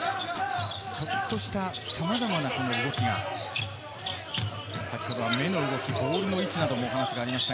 ちょっとしたさまざまな動きが先ほどは目の動き、ボールの位置などの話がありました。